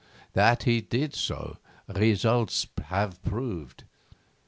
That he did so results have proved.